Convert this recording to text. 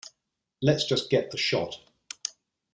Lets just get the shot.